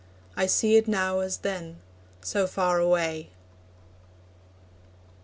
I see it now as then so far away!